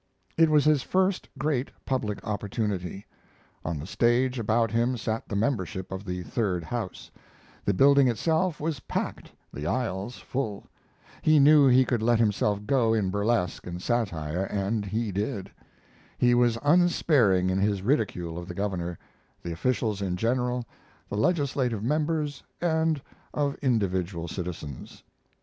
It was his first great public opportunity. On the stage about him sat the membership of the Third House; the building itself was packed, the aisles full. He knew he could let himself go in burlesque and satire, and he did. He was unsparing in his ridicule of the Governor, the officials in general, the legislative members, and of individual citizens.